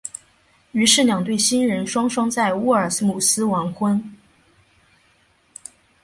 于是两对新人双双在沃尔姆斯完婚。